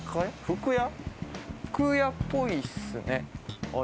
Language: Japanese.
服屋っぽいっすね